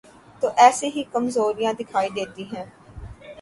تو ایسی ہی کمزوریاں دکھائی دیتی ہیں۔